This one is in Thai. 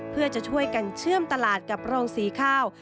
เพื่อจะช่วยกันเชื่อมตลาดกับโรงสีข้าว